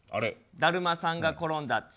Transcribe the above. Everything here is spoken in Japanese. だるまさんが転んだ２。